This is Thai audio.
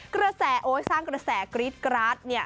กระแสโอ๊ยสร้างกระแสกรี๊ดกราดเนี่ย